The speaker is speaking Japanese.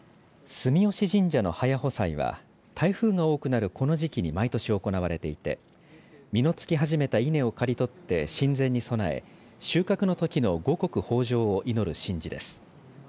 住吉神社の早穂祭は台風が多くなるこの時期に毎年行われていて実のつき始めた稲を刈り取って神前に供え、収穫のときの五穀豊じょうを祈る神事です。